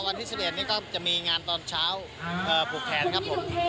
วันที่๑๑นี่ก็จะมีงานตอนเช้าผูกแขนครับผม